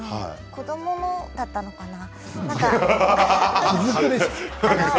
子どものだったのかな？